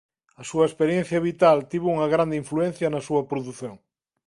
A súa experiencia vital tivo unha grande influencia na súa produción.